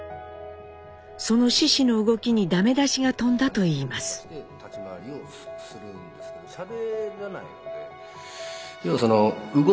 その獅子の動きに駄目出しが飛んだといいます。